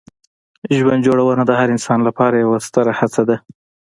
ژوند جوړونه د هر انسان لپاره یوه ستره هڅه ده.